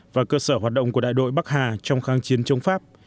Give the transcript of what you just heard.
và cơ sở hoạt động của đại đội bắc hà trong kháng chiến chống pháp